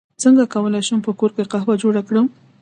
څنګه کولی شم په کور کې قهوه جوړه کړم